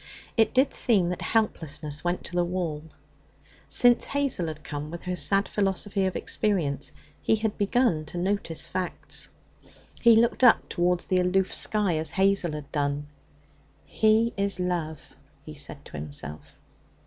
It did seem that helplessness went to the wall. Since Hazel had come with her sad philosophy of experience, he had begun to notice facts. He looked up towards the aloof sky as Hazel had done. 'He is love,' he said to himself.